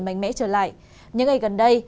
mạnh mẽ trở lại những ngày gần đây